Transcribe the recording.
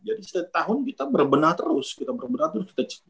jadi setiap tahun kita berbenah terus kita berbenah terus